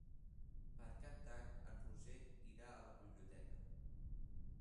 Per Cap d'Any en Roger irà a la biblioteca.